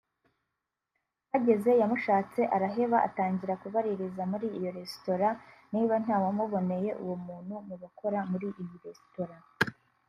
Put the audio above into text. Ahageze yamushatse araheba atangira kubaririza muri iyo resitora niba ntawamuboneye uwo muntu mu bakora muri iyi resitora